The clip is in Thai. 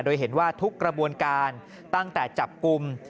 โดยเห็นว่าทุกกระบวนการตั้งแต่จับกลุ่ม